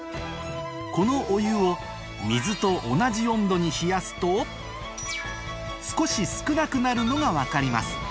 このお湯を水と同じ温度に冷やすと少し少なくなるのが分かります